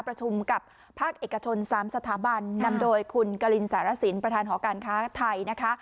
ประชุมกับภาคเอกชน๓สถาบันนำโดยคุณกรินสารสินประธานหอการค้าไทยนะคะ